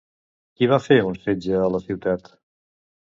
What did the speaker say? Qui va fer un setge a la ciutat?